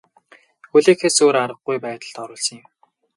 Хүлээхээс өөр аргагүй байдалд оруулсан юм.